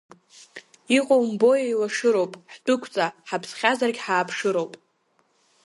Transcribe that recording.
Иҟоу умбои еилашыроуп, ҳдәықәҵа, ҳаԥсхьазаргь ҳааԥшыроуп!